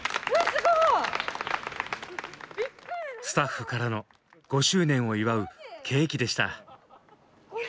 スタッフからの５周年を祝うケーキでした。